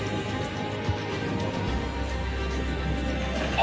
あ！